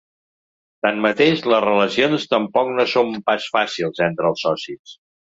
Tanmateix, les relacions tampoc no són pas fàcils entre els socis.